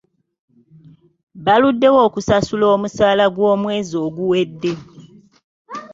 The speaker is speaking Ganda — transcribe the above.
Baluddewo okusasula omusaala gw'omwezi oguwedde.